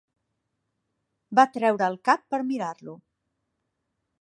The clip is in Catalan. Va treure el cap per mirar-lo.